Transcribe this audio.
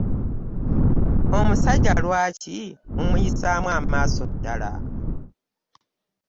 Omusajja lwaki mumuyisaamu amaaso ddala?